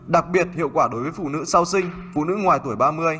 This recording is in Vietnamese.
đặc biệt hiệu quả đối với phụ nữ sau sinh phụ nữ ngoài tuổi ba mươi